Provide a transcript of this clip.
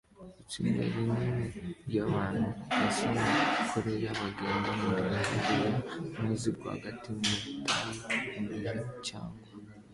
Itsinda rinini ryabantu basa na koreya bagenda muri gari ya moshi rwagati mu butayu mugihe cyagwa